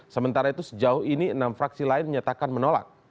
sementara itu sejauh ini enam fraksi lain menyatakan menolak